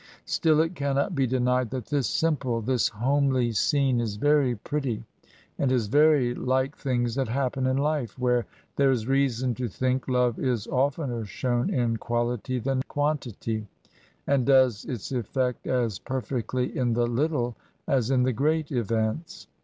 Still it cannot be denied that this simple, this homely scene, is very pretty, and is very like things that happen in life, where there is reason to think love is of tenet shown in quality than quantity, and does its efiFect as perfectly in the little as in the great events.